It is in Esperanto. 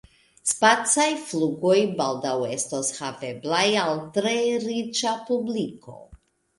Spacaj flugoj baldaŭ estos haveblaj al tre riĉa publiko.